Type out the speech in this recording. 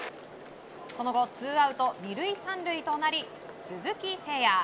その後ツーアウト２塁３塁となり鈴木誠也。